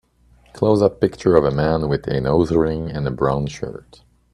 closeup picture of a man with a nose ring and a brown shirt